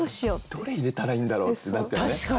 どれ入れたらいいんだろうってなったよね。